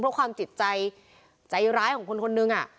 แล้วก็ความจิตใจใจร้ายของคนนึง